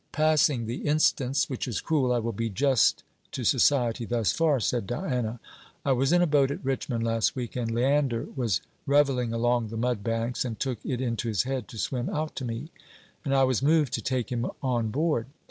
'Passing the instance, which is cruel, I will be just to society thus far,' said Diana. 'I was in a boat at Richmond last week, and Leander was revelling along the mud banks, and took it into his head to swim out to me, and I was moved to take him on board.